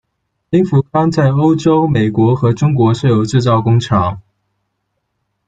英福康在欧洲、美国和中国设有制造工厂。